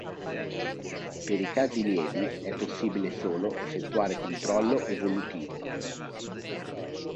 Per i casi lievi è possibile solo effettuare controllo evolutivo.